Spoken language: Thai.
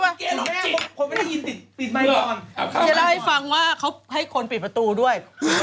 คนไม่ได้ยินปิดไมค์ก่อนเขาจะเล่าให้ฟังว่าเขาให้คนปิดประตูด้วย